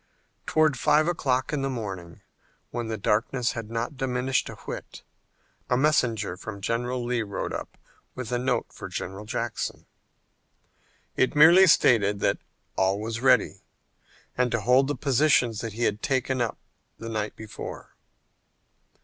Toward five o'clock in the morning, when the darkness had not diminished a whit, a messenger from General Lee rode up with a note for General Jackson. It merely stated that all was ready and to hold the positions that he had taken up the night before.